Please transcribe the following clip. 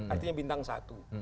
artinya bintang satu